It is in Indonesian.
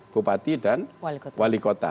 bupati dan wali kota